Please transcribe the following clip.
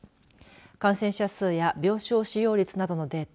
感染者数や病床使用率などのデータ